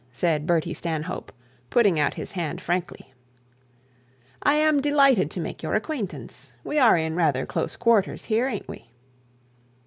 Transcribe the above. said Bertie Stanhope, putting out his hand, frankly; 'I am delighted to make your acquaintance. We are in rather close quarters here, a'nt we?'